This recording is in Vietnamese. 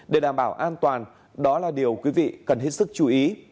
để đảm bảo an toàn đó là điều quý vị cần hết sức chú ý